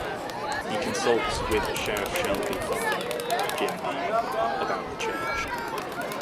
He consults with Sheriff Shelby Parlow (Jim Beaver) about the Church.